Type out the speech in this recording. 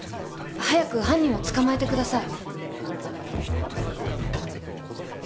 早く犯人を捕まえてください。